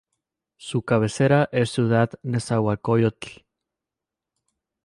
Su cabecera es Ciudad Nezahualcóyotl.